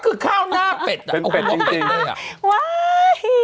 ก็คือข้าวหน้าเป็ดเป็ดจริงเลยอ่ะ